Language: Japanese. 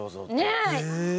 ねえ！